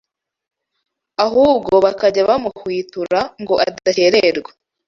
ahubwo bakajya bamuhwitura ngo adakererwa